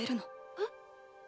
えっ？